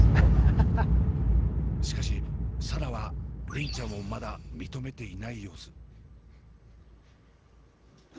しかし紗蘭は梨鈴ちゃんをまだ認めていない様子。